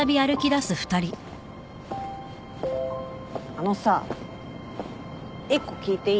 あのさ１個聞いていい？